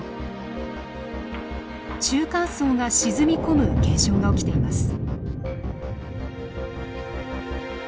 中間層が沈み込む現象が起きています。